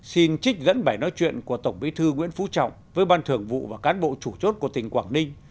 xin trích dẫn bài nói chuyện của tổng bí thư nguyễn phú trọng với ban thường vụ và cán bộ chủ chốt của tỉnh quảng ninh